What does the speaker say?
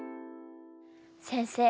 先生